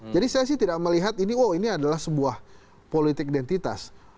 jadi saya sih tidak melihat ini adalah sebuah politik identitas